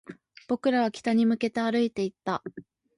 僕らは北に向けて歩いていった